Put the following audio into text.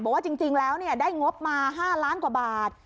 บอกว่าจริงแล้วได้งบมา๕ล้านกว่าบาท